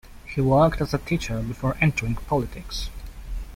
He worked as a teacher before entering politics.